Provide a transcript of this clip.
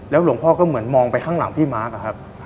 แล้วหลวงพ่อก็เหมือนมองไปข้างหลังพี่ม้ากันครับ